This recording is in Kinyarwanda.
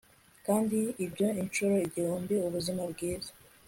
Kandi ibyo inshuro igihumbi ubuzima bwiza